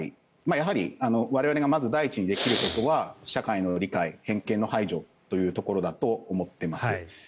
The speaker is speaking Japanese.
やはり我々がまず第一にできることは社会の理解、偏見の排除というところだと思っています。